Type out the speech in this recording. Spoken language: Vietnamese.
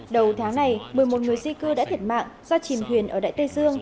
đầu tháng này một mươi một người di cư đã thiệt mạng do chìm thuyền ở đại tây dương